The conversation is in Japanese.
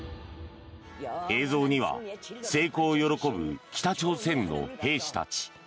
映像には成功を喜ぶ北朝鮮の兵士たち。